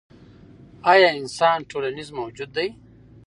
ایا انسان ټولنیز موجود دی؟